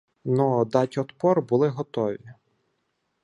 Но дать отпор були готові